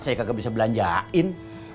saya kagak bisa belanjain